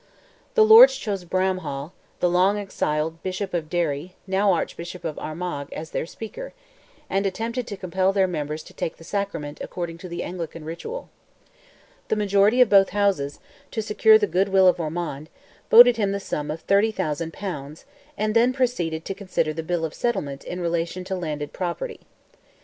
The Lords chose Bramhall, the long exiled Bishop of Derry, now Archbishop of Armagh, as their Speaker, and attempted to compel their members "to take the sacrament" according to the Anglican ritual. The majority of both Houses, to secure the good will of Ormond, voted him the sum of 30,000 pounds, and then proceeded to consider "the Bill of Settlement," in relation to landed property.